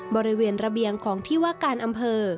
บริเวณระเบียงของที่ว่าการอำเภอ